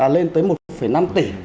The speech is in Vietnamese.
lên tới một năm tỷ